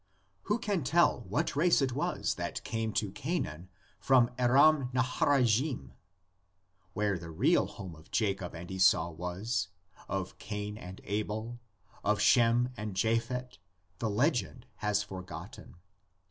Who can tell what race it was that came to Canaan from Aram Naharajim? Where the real home of Jacob and Esau was, of Cain and Abel, of Shem and Japhet, the legend has forgotten.